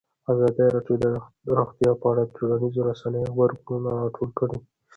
ازادي راډیو د روغتیا په اړه د ټولنیزو رسنیو غبرګونونه راټول کړي.